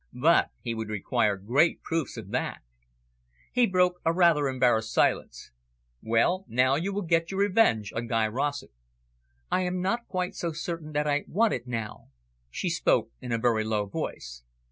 But he would require great proofs of that. He broke a rather embarrassed silence. "Well, now you will get your revenge on Guy Rossett." "I am not quite so certain that I want it now." She spoke in a very low voice.